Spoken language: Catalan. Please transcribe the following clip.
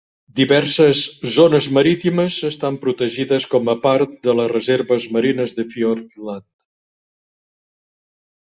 Diverses zones marítimes estan protegides com a part de les reserves marines de Fiordland.